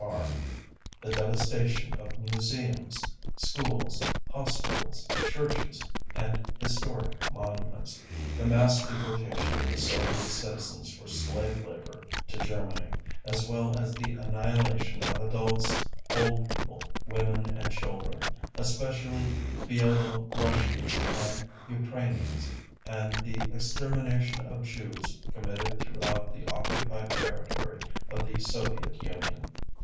R., the devastation of museums, schools, hospitals, churches, and historic monuments, the mass deportation of the Soviet citizens for slave labor to Germany, as well as the annihilation of adults, old people, women and children, especially Bielorussians and Ukrainians, and the extermination of Jews committed throughout the occupied territory of the Soviet Union.